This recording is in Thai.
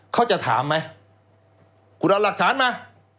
เขาจะถามไหมคุณเอาหลักฐานมา